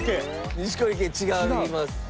錦織圭違います。